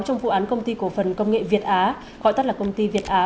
trong vụ án công ty cổ phần công nghệ việt á gọi tắt là công ty việt á